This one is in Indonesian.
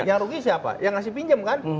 yang rugi siapa yang ngasih pinjam kan